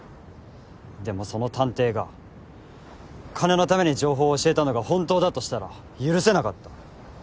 でもその探偵が金のために情報を教えたのが本当だとしたら許せなかった。